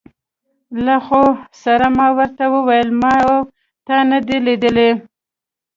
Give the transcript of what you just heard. له خو سره ما ور ته وویل: ما او تا نه دي لیدلي.